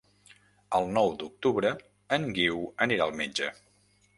El nou d'octubre en Guiu anirà al metge.